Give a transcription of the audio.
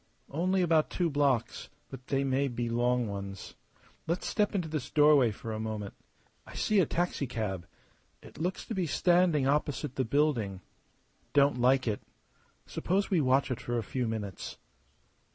"Only about two blocks; but they may be long ones. Let's step into this doorway for a moment. I see a taxicab. It looks to be standing opposite the building. Don't like it. Suppose we watch it for a few minutes?"